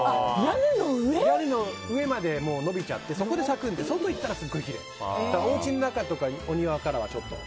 屋根の上まで伸びちゃってそこで咲くので外行ったらすごくきれいお家の中からはちょっと。